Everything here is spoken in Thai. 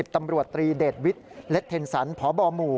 ตำรวจตรีเดชวิทย์เล็ดเทนสันพบหมู่